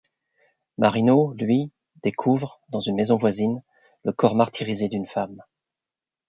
Marino, lui, découvre, dans une maison voisine, le corps martyrisé d'une femme...